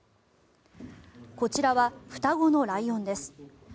こちらは双子のライオンです。